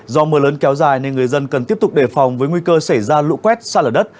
do mưa lớn kéo dài nên người dân cần tiếp tục đề phòng với nguy cơ xảy ra lũ quét xa lở đất